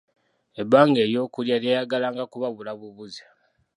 Ebbanga ery'okulya lyayagalanga kubabula bubuzi.